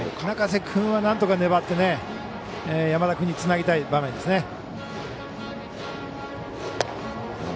中瀬君はなんとか粘って山田君につなぎたい場面ですね。